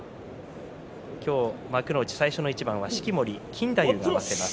今日、幕内最初の一番は式守錦太夫が合わせます。